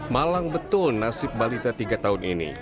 malang betul nasib balita tiga tahun ini